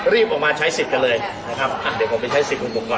รีบออกมาใช้สิทธิ์กันเลยนะครับอ่ะเดี๋ยวผมไปใช้สิทธิ์ของผมก่อน